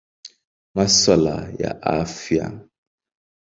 Masuala ya Afya.